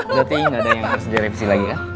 berarti gak ada yang harus direksi lagi kan